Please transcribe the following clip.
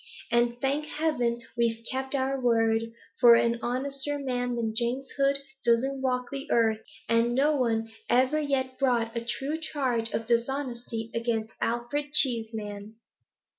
And, thank heaven, we've kept our word; for an honester man than James Hood doesn't walk the earth, and no one ever yet brought a true charge of dishonesty against Alfred Cheeseman.'